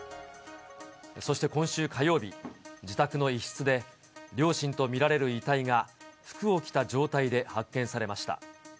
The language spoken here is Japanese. そして今週火曜日、自宅の一室で、両親と見られる遺体が、服を着た状態で発見されました。